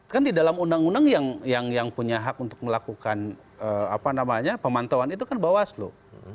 kan di dalam undang undang yang punya hak untuk melakukan pemantauan itu kan bawaslu